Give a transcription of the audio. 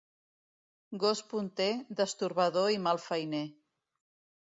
Gos punter, destorbador i mal feiner.